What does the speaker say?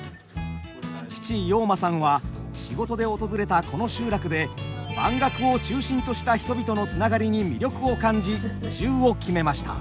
父陽馬さんは仕事で訪れたこの集落で番楽を中心とした人々のつながりに魅力を感じ移住を決めました。